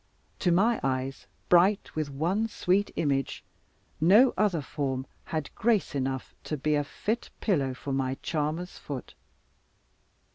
To my eyes, bright with one sweet image, no other form had grace enough to be fit pillow for my charmer's foot.